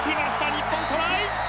日本トライ！